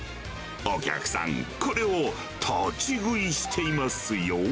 お客さん、これを立ち食いしていますよ。